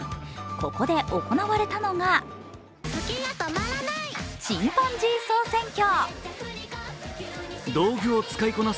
ここで行われたのがチンパンジー総選挙。